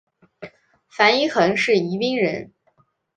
樊一蘅是宜宾人。